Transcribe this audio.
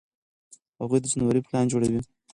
هغوی د جنورۍ پلان جوړوي.